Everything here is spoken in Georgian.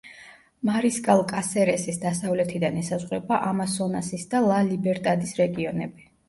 მარისკალ-კასერესის დასავლეთიდან ესაზღვრება ამასონასის და ლა-ლიბერტადის რეგიონები.